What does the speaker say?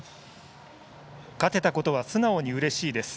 勝てたことは素直にうれしいです。